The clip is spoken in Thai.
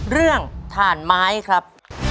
เรื่องถ่านไม้ครับ